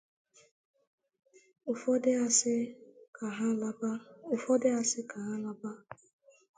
ụfọdụ asị ka ha laba